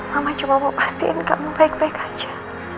mama cuma mau pastiin kamu baik baik aja